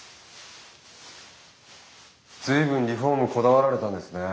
随分リフォームこだわられたんですね。